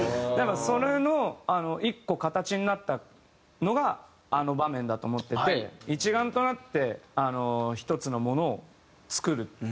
それの１個形になったのがあの場面だと思ってて一丸となって一つのものを作る。